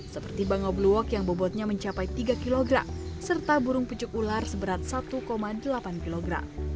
seperti bangau blue walk yang bobotnya mencapai tiga kg serta burung pucuk ular seberat satu delapan kg